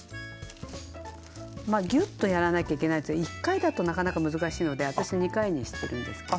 まあギュッとやらなきゃいけないやつは１回だとなかなか難しいので私２回にしてるんですけど。